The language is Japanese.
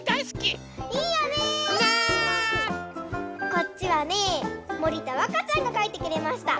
こっちはねもりたわかちゃんがかいてくれました。